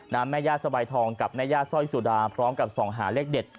นำแม่ญาติสวัยทองกับแม่ญาติสร้อยสุดาพร้อมกับส่องหาเล็กเด็ด